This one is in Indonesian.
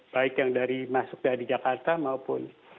baik yang dari masuk dari jakarta maupun